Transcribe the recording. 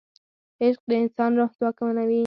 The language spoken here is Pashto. عشق د انسان روح ځواکمنوي.